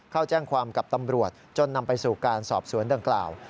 เข้าแจ้งความกับตำรวจจนนำไปสู่การสอบสวนดังกล่าว